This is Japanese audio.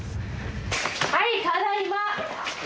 はいただいま。